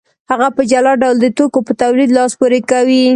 هغه په جلا ډول د توکو په تولید لاس پورې کوي